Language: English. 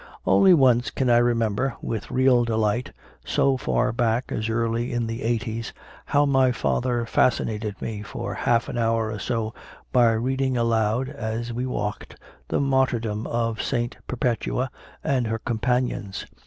Once only can I 12 CONFESSIONS OF A CONVERT remember, with real delight, so far back as early in the eighties, how my father fascinated me for half an hour or so by reading aloud, as we walked, the martyrdom of St. Perpetua and her companions.